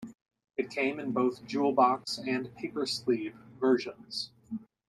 It came in both jewel box and paper sleeve versions.